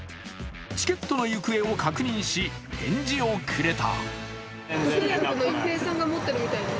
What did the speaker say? チケットの行方を確認し返事をくれた。